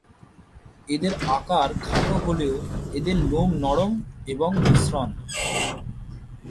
এদের আকার খাটো হলেও এদের লোম নরম এবং মসৃণ।